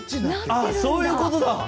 あっそういうことだ！